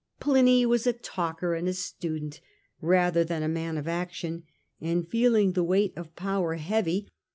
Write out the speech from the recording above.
Pliny was a talker and a student rather than a man of action, and feeling the weight of power heavy, he Ills treat'